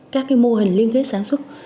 các cái mô hình liên kết sản xuất